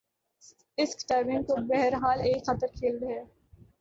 اسک diving تو بہر حال ایک خطر کھیل ہے